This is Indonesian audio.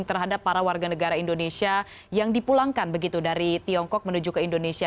terhadap para warga negara indonesia yang dipulangkan begitu dari tiongkok menuju ke indonesia